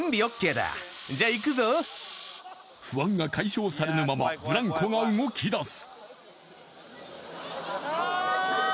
不安が解消されぬままブランコが動きだす